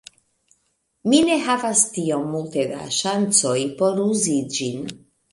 Mi ne havas tiom multe da ŝancoj por uzi ĝin.